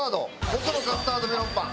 ぼくのカスタードメロンパン。